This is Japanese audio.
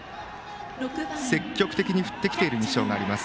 積極的に振ってきている印象があります